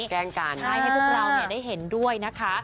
แกล้งกันใช่ให้พวกเราได้เห็นด้วยนะคะ